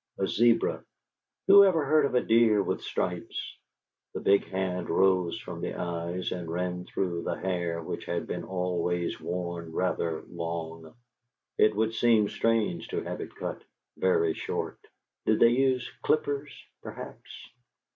... a zebra.... Who ever heard of a deer with stripes? The big hand rose from the eyes and ran through the hair which he had always worn rather long. It would seem strange to have it cut very short.... Did they use clippers, perhaps?